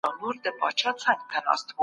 د چرګ خواته کتله